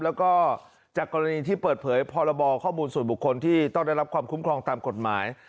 แล้วก็จากกรณีที่เปิดเผยพรบข้อมูลส่วนบุคคลที่ต้องได้รับความคุ้มครองตามกฎหมาย